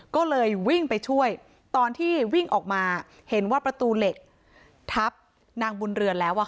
ก็เลยวิ่งไปช่วยตอนที่วิ่งออกมาเห็นว่าประตูเหล็กทับนางบุญเรือนแล้ว